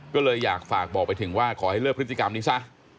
ก็เลยอยากฝากบอกไปถึงว่าขอให้เลิกพฤติกรรมนี้ซะ